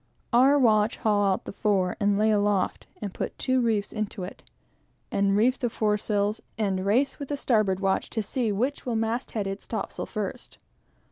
Our watch haul out the fore, and lay aloft and put two reefs into it, and reef the foresail, and race with the starboard watch, to see which will mast head its topsail first.